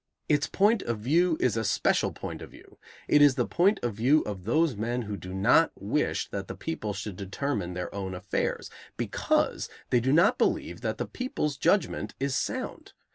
Its point of view is a special point of view. It is the point of view of those men who do not wish that the people should determine their own affairs, because they do not believe that the people's judgment is sound.